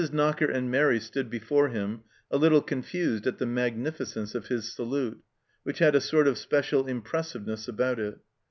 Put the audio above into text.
Knocker and Mairi stood before him, a little confused at the magnificence of his salute, which had a sort of special impressiveness about it.